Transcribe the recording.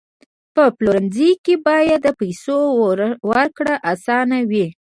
په پلورنځي کې باید د پیسو ورکړه اسانه وي.